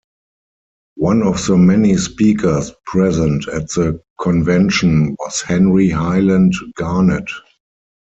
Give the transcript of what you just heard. One of the many speakers present at the convention was Henry Highland Garnet.